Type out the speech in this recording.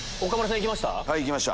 行けました。